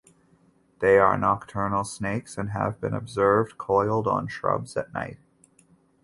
They are nocturnal snakes and have been observed coiled on shrubs at night.